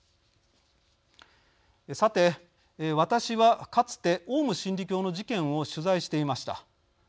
さて、私はかつてオウム真理教の事件を取材していました。